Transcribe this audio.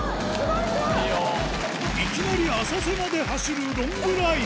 いきなり浅瀬まで走るロングライド